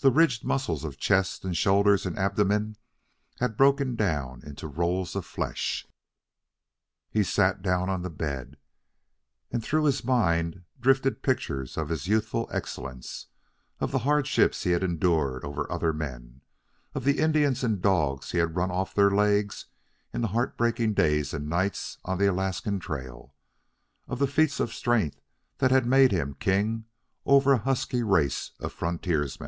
The ridged muscles of chest and shoulders and abdomen had broken down into rolls of flesh. He sat down on the bed, and through his mind drifted pictures of his youthful excellence, of the hardships he had endured over other men, of the Indians and dogs he had run off their legs in the heart breaking days and nights on the Alaskan trail, of the feats of strength that had made him king over a husky race of frontiersmen.